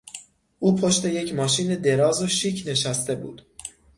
او پشت یک ماشین دراز و شیک نشسته بود.